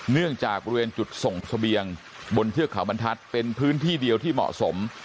เนื่องจากบริเวณจุดส่งเสบียงบนเทือกเขาบรรทัศน์เป็นพื้นที่เดียวที่เหมาะสม